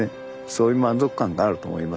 そういう満足感ってあると思いますけどね。